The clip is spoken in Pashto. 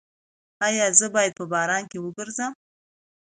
ایا زه باید په باران کې وګرځم؟